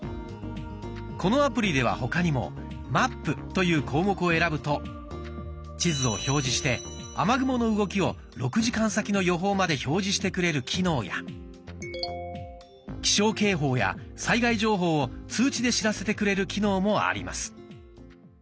このアプリでは他にも「マップ」という項目を選ぶと地図を表示して雨雲の動きを６時間先の予報まで表示してくれる機能や気象警報や災害情報を通知で知らせてくれる機能もあります。